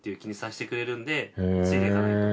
ついていかないと。